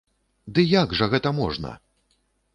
Ды як жа гэта можна?